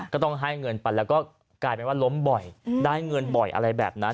ก็ต้องให้เงินไปแล้วก็กลายเป็นว่าล้มบ่อยได้เงินบ่อยอะไรแบบนั้น